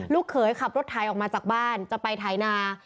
เขยขับรถไถออกมาจากบ้านจะไปไถนา